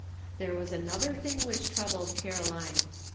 There was another thing which troubled Caroline.